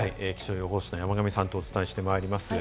気象予報士の山神さんとお伝えしていきます。